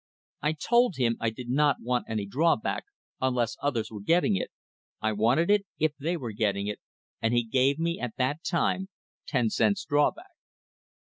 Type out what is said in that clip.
"I told him I did not want any drawback, unless others were getting it; I wanted it if they were getting it, and he gave me at that time ten cents drawback."